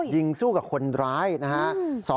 ยิงสู้กับคนร้ายนะฮะ